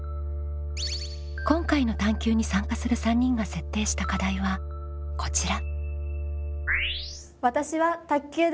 今回の探究に参加する３人が設定した課題はこちら。